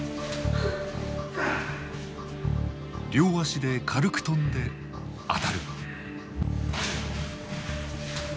両足で軽く跳んで当たる。